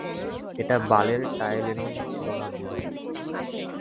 এটা বালের টাইলেনল ছিলনা, বুঝলি?